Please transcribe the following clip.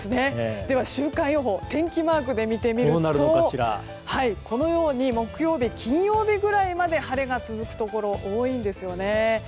週間予報天気マークで見てみると木曜日、金曜日ぐらいまで晴れが続くところが多いんですよね。